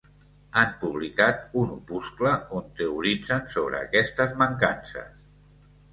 Han publicat un opuscle on teoritzen sobre aquestes mancances.